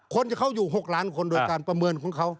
คนจะเข้าอยู่๖ล้านคนโดยการประเมินของเขา